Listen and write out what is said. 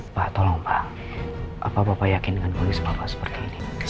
pak tolong pak apa bapak yakin dengan kondisi bapak seperti ini